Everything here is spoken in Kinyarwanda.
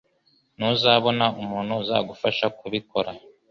Ntuzabona umuntu uzagufasha kubikora